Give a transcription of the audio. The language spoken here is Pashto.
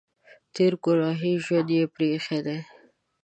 تېر ګنهګار ژوند یې پرې اېښی دی.